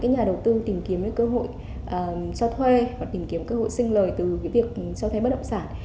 nhà đầu tư tìm kiếm cơ hội cho thuê hoặc tìm kiếm cơ hội sinh lời từ việc cho thuê bất động sản